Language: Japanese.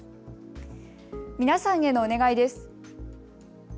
皆さんへのお願いです。